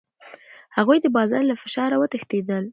هغوی د بازار له فشاره وتښتېدل.